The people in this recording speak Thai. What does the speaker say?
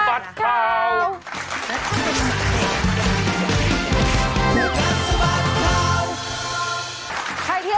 คุณติเล่าเรื่องนี้ให้ฮะ